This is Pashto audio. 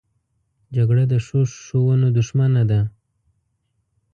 جګړه د ښو ښوونو دښمنه ده